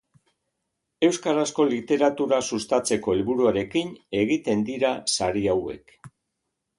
Euskarazko literatura sustatzeko helburuarekin egiten dira sari hauek.